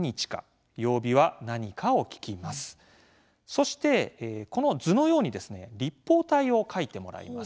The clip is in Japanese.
そしてこの図のようにですね立方体を書いてもらいます。